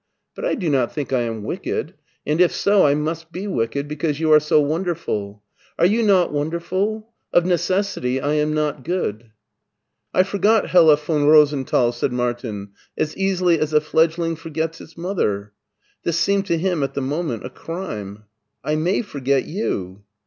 But I do not think I am wicked, and if so I must be wicked because you are so wonder ful. Are you not wonderful ? Of necessity I am not good." " I forgot Hella von Rosenthal," said Martin, *' as easily as a fledgeling forgets its mother." This seemed to him at the moment a crime. " I may forget you."